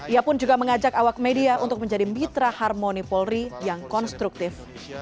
ia pun juga mengajak awak media untuk menjadi mitra harmoni polri yang konstruktif